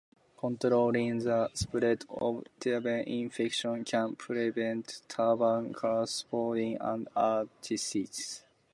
Controlling the spread of tuberculosis infection can prevent tuberculous spondylitis and arthritis.